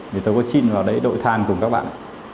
thì tôi có xin vào đấy đội than cùng các bạn